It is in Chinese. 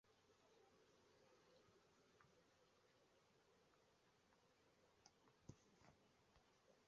身上受到重重一击